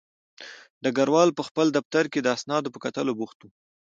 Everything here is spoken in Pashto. ډګروال په خپل دفتر کې د اسنادو په کتلو بوخت و